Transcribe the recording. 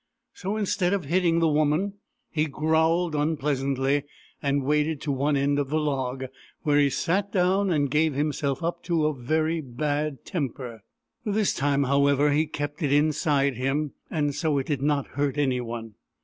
So, instead of hitting the woman, he growled un pleasantly and waded to one end of the log, where he sat dowTi and gave himself up to very bad tem per. This time, however, he kept it inside him, and so it did not hurt anyone.